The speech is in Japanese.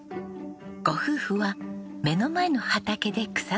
ご夫婦は目の前の畑で草むしりです。